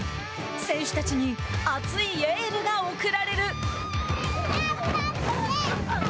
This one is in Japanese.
選手たちに熱いエールが送られる。